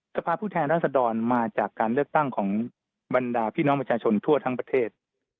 สภาพผู้แทนรัศดรมาจากการเลือกตั้งของบรรดาพี่น้องประชาชนทั่วทั้งประเทศ